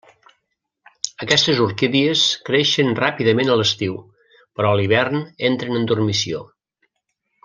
Aquestes orquídies creixen ràpidament a l'estiu, però a l'hivern entren en dormició.